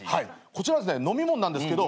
こちらですね飲み物なんですけど。